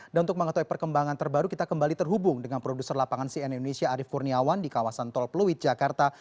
dan untuk mengetahui perkembangan terbaru kita kembali terhubung dengan produser lapangan cn indonesia arief kurniawan di kawasan tol pluit jakarta